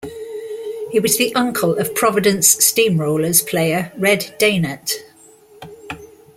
He was the uncle of Providence Steamrollers player Red Dehnert.